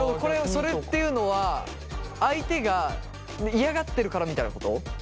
それっていうのは相手が嫌がってるからみたいなこと？